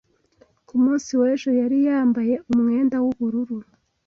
Ku munsi w'ejo yari yambaye umwenda w'ubururu.